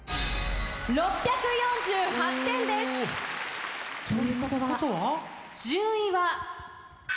６４８点です！ということは順位は。